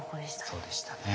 そうでしたね。